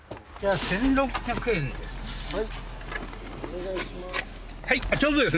お願いします。